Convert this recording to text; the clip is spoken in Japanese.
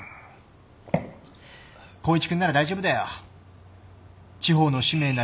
光一君なら大丈夫だよ。